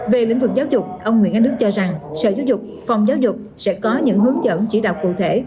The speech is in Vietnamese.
về lĩnh vực giáo dục ông nguyễn anh đức cho rằng sở giáo dục phòng giáo dục sẽ có những hướng dẫn chỉ đạo cụ thể